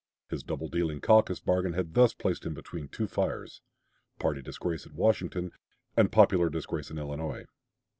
His double dealing caucus bargain had thus placed him between two fires party disgrace at Washington and popular disgrace in Illinois.